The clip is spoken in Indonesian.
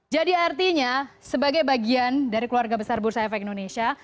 jadi artinya sebagai bagian dari keluarga besar bursa efek indonesia